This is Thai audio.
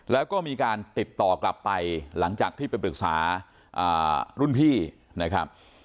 แล้วก็มีการติดต่อกลับไปหลังจากที่ไปปรึกษารุ่นพี่นะครับ